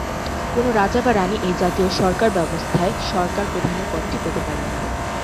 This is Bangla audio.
কোনো রাজা বা রানি এই জাতীয় সরকার ব্যবস্থায় সরকার প্রধানের পদটি পেতে পারেন না।